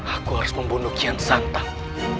aku harus membunuh kian santan